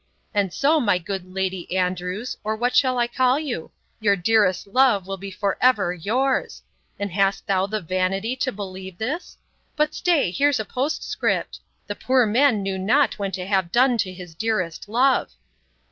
—And so, my good Lady Andrews, or what shall I call you? Your dearest love will be for ever yours! And hast thou the vanity to believe this?—But stay, here is a postscript. The poor man knew not when to have done to his dearest love.